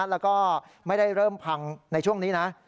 แล้วก็ไม่ได้เริ่มพังในช่วงนี้นะ